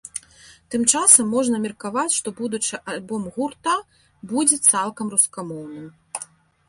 Тым часам, можна меркаваць, што будучы альбом гурта будзе цалкам рускамоўным.